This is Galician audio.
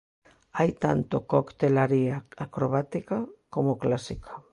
Hai tanto coctelaría acrobática como clásica.